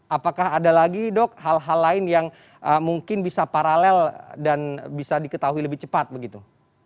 apakah ada lagi dok hal hal lain yang mungkin bisa paralel dan bisa diketahui lebih cepat begitu